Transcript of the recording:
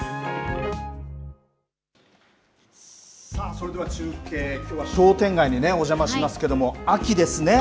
それでは中継、きょうは商店街にお邪魔しますけれども、秋ですね。